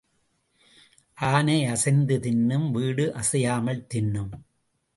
ஆனை அசைந்து தின்னும் வீடு அசையாமல் தின்னும்.